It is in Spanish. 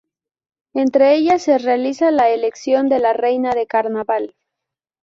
Entre ellas se realiza la elección de la Reina de Carnaval.